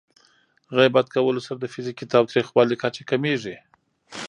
غیبت کولو سره د فزیکي تاوتریخوالي کچه کمېږي.